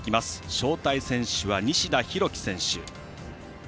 招待選手は西田宗城選手。